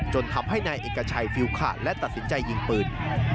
จนทำให้นายเอกชัยฟิลขาดและตัดสินใจยิงปืน